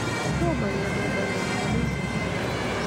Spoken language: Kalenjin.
tomo kenai mekenyo eng' sobet